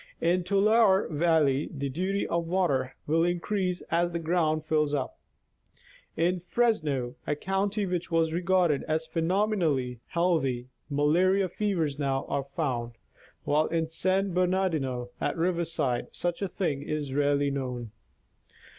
In Tulare valley, the duty of water will increase as the ground fills up. In Fresno, a county which was regarded as phenomenally healthy, malarial fevers now are found, while in San Bernar dino, at Riverside, such a thing is rarely known.